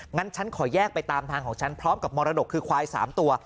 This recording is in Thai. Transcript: งั้นฉันขอแยกไปตามทางของฉันพร้อมกับมรดกคือควาย๓ตัว